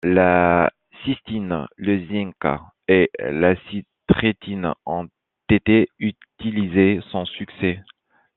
La cystine, le zinc et l'acitrétine ont été utilisés, sans succès.